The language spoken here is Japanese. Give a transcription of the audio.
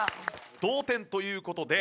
同点という事で。